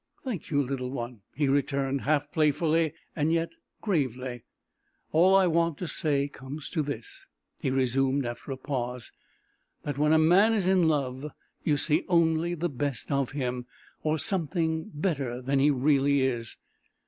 "Thank you, little one!" he returned, half playfully, yet gravely. "All I want to say comes to this," he resumed after a pause, "that when a man is in love, you see only the best of him, or something better than he really is.